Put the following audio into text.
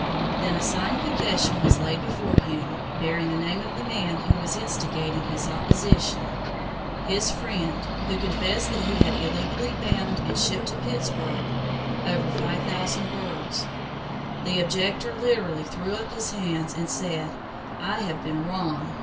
Then a signed confession was laid before him, bearing the name of the man who was instigating his opposition,—his friend,—who confessed that he had [Page 68] illegally bought and shipped to Pittsburgh over 5,000 birds. The objector literally threw up his hands, and said, "I have been wrong!